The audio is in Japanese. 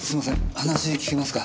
話聞けますか？